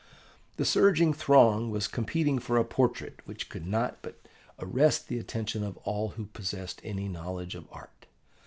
The surging throng was competing for a portrait which could not but arrest the attention of all who possessed any knowledge of art.